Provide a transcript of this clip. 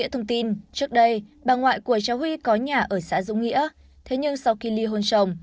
thông tin trước đây bà ngoại của cháu huy có nhà ở xã dũng nghĩa thế nhưng sau khi ly hôn trồng